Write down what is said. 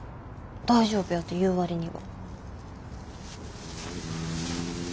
大丈夫やて言う割には。